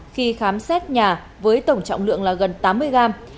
khi khám xét nhà với tổng trọng lượng là gần tám mươi gram